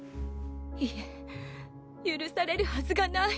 いえ許されるはずがない。